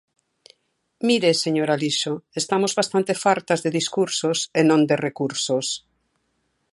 Mire, señor Alixo, estamos bastante fartas de discursos e non de recursos.